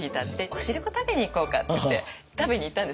お汁粉食べに行こうかって言って食べに行ったんです。